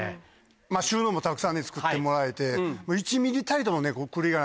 まぁ収納もたくさん作ってもらえて。